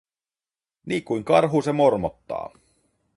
Niinkuin karhu se mormottaa.